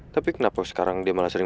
tapi kenapa sekarang dia malah sering